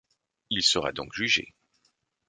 Il sera donc jugé.